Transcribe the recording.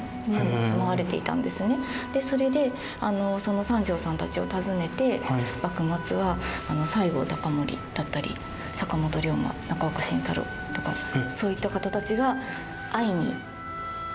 それでその三条さんたちを訪ねて幕末は西郷隆盛だったり坂本龍馬中岡慎太郎とかそういった方たちが会いに来られて。